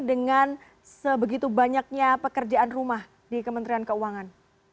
dengan sebegitu banyaknya pekerjaan rumah di kementerian keuangan